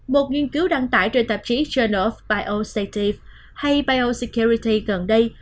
một nghiên cứu đăng tải trên tạp chí journal of biosecurity gần đây